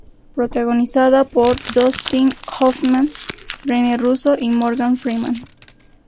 Protagonizada por Dustin Hoffman, Rene Russo y Morgan Freeman.